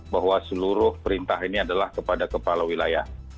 bahwa seluruh perintah ini adalah kepada kepala wilayah